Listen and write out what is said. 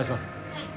はい。